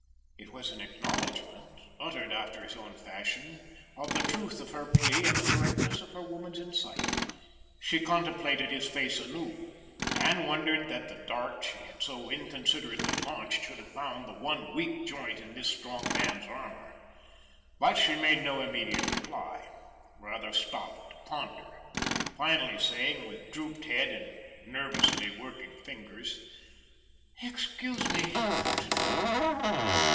It was an acknowledgment, uttered after his own fashion, of the truth of her plea and the correctness of her woman's insight. She contemplated his face anew, and wondered that the dart she had so inconsiderately launched should have found the one weak joint in this strong man's armour. But she made no immediate reply, rather stopped to ponder, finally saying, with drooped head and nervously working fingers: "Excuse me for to night.